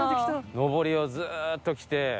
上りをずっと来て。